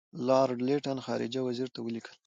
لارډ لیټن خارجه وزیر ته ولیکل.